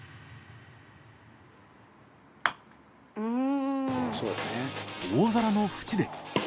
うん。